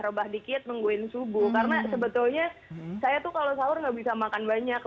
rebah dikit mess multipls bu karena sebetulnya saya tuh kalau suara nggak bisa makan banyak